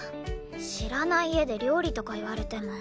知らない家で料理とか言われても。